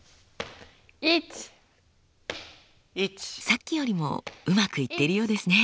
さっきよりもうまくいっているようですね。